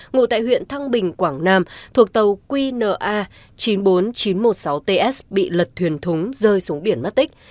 ngụ tại huyện thăng bình quảng nam thuộc tàu qna chín mươi bốn nghìn chín trăm một mươi sáu ts bị lật thuyền thúng rơi xuống biển mất tích